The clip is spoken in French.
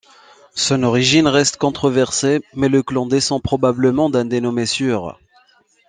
Son origine reste controversée mais le clan descend probablement d'un dénommé Súr.